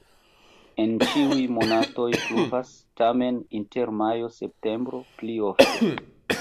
En ĉiuj monatoj pluvas, tamen inter majo-septembro pli ofte.